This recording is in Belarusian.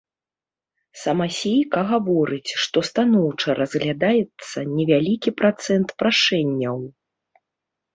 Самасейка гаворыць, што станоўча разглядаецца невялікі працэнт прашэнняў.